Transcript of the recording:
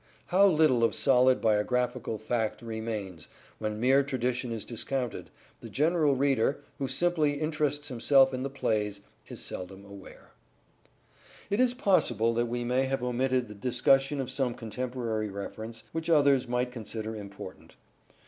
How little of solid biographical fact remains when mere tradition is discounted, the general reader, who simply interests himself in the plays, is seldom aware. It is possible that we may have omitted the dis cussion of some contemporary reference which others might consider important.